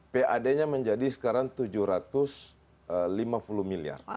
pad nya menjadi sekarang tujuh ratus lima puluh miliar